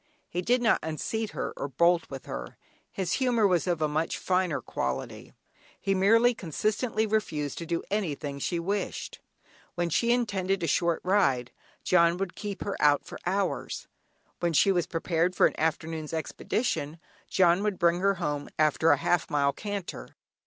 He did not unseat her or bolt with her: his humour was of a much finer quality; he merely consistently refused to do anything she wished. When she intended a short ride, "John" would keep her out for hours; when she was prepared for an afternoon's expedition, "John" would bring her home after a half mile canter.